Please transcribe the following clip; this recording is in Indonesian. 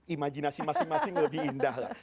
imajinasi masing masing lebih indah lah